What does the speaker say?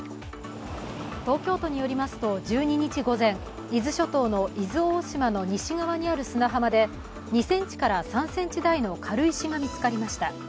東京都によりますと、１２日午前、伊豆諸島の伊豆大島の西側にある砂浜で、２３センチ大の軽石が見つかりました。